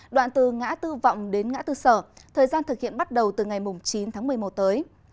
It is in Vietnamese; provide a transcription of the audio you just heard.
đoạn từ ngã tư vọng đến ngã tư sở thời gian thực hiện bắt đầu từ ngày chín tháng một mươi một tới